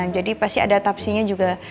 jadi pasti ada tapsinya juga